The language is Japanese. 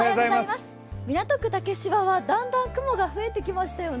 港区竹芝はだんだん雲が増えてきましたよね。